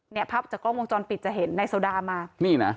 เนี่ยภาพจากกล้องวงจรปิดจะเห็นในโซดามา